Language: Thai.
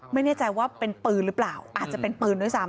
ไม่แน่ใจว่าเป็นปืนหรือเปล่าอาจจะเป็นปืนด้วยซ้ำ